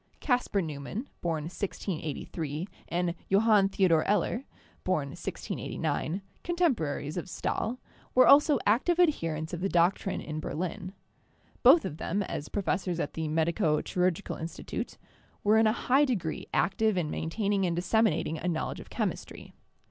Kaspar Neumann ("born 1683) and Johann Theodor Eller (born 1689), contemporaries of Stahl, were also active adherents of the doctrine in Berlin. Both of them, as professors at the Medico Chirurgical Institute, were in a high degree active in maintaining and disseminating a knowledge of chemistry.